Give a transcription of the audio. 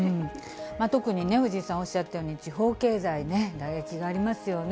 特に藤井さんおっしゃったように、地方経済ね、打撃がありますよね。